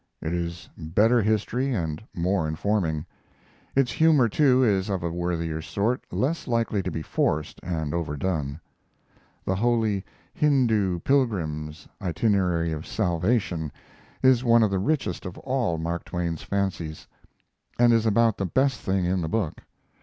It is better history and more informing. Its humor, too, is of a worthier sort, less likely to be forced and overdone. The holy Hindoo pilgrim's "itinerary of salvation" is one of the richest of all Mark Twain's fancies, and is about the best thing in the book.